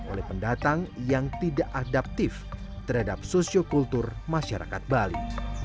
oleh pendatang yang tidak adaptif terhadap sosiokultur masyarakat bali